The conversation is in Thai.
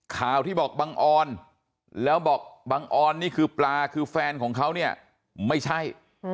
ข่าวที่บอกบังออนแล้วบอกบังออนนี่คือปลาคือแฟนของเขาเนี่ยไม่ใช่